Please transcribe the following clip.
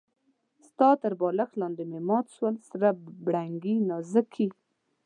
ستا تر بالښت لاندې مي مات سول سره بنګړي نازکي